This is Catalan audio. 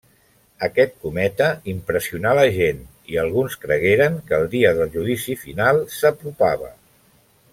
Aquest cometa impressionà la gent, i alguns cregueren que el dia del judici final s'apropava.